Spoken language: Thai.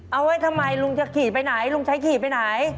เอาไว้ทำไมลุงจะขี่ไปไหนลุงใช้ขี่ไปไหน